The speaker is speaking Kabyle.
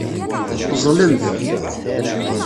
Teẓẓlemt.